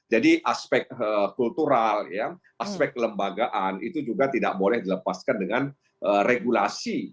jadi aspek kultural aspek kelembagaan itu juga tidak boleh dilepaskan dengan regulasi